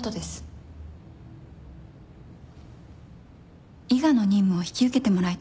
伊賀の任務を引き受けてもらいたいんです。